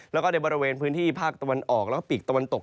แล้วก็ในบริเวณพื้นที่ภาคตะวันออกแล้วก็ปีกตะวันตก